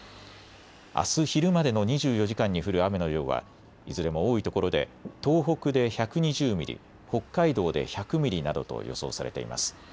あす昼までの２４時間に降る雨の量はいずれも多いところで東北で１２０ミリ、北海道で１００ミリなどと予想されています。